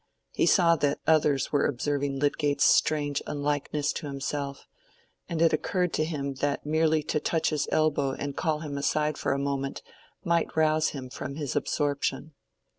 He saw that others were observing Lydgate's strange unlikeness to himself, and it occurred to him that merely to touch his elbow and call him aside for a moment might rouse him from his absorption.